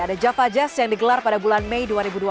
ada java jazz yang digelar pada bulan mei dua ribu dua puluh